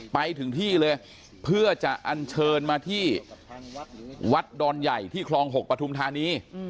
ไปถึงที่เลยเพื่อจะอันเชิญมาที่วัดดอนใหญ่ที่คลอง๖ปฐุมธานี